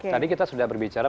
tadi kita sudah berbicara